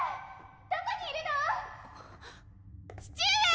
どこにいるの⁉父上！